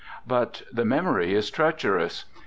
_ _But the memory is treacherous.